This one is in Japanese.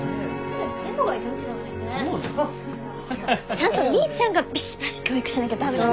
ちゃんとみーちゃんがビシバシ教育しなきゃ駄目だよ。